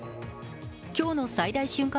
今日の最大瞬間